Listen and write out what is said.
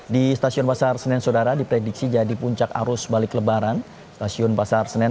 di stasiun pasar senen sodara diprediksi jadi puncak arus balik lebaran stasiun pasar senen